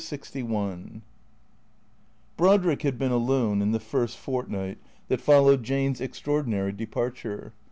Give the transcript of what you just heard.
LXI BEODEICK had been alone in the first fortnight that fol lowed Jane's extraordinary departure.